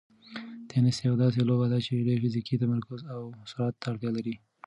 تېنس یوه داسې لوبه ده چې ډېر فزیکي تمرکز او سرعت ته اړتیا لري.